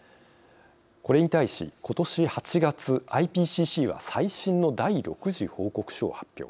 これに対し、ことし８月ＩＰＣＣは最新の第６次報告書を発表。